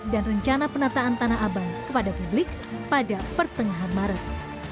dan rencana penataan tanah abang kepada publik pada pertengahan maret